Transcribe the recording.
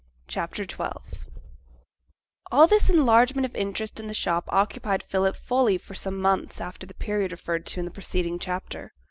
CHAPTER XII NEW YEAR'S FETE All this enlargement of interest in the shop occupied Philip fully for some months after the period referred to in the preceding chapter.